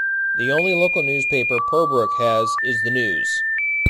The only local newspaper Purbrook has is "The News".